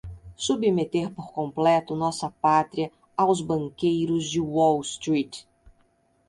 submeter por completo nossa Pátria aos banqueiros de Wall Street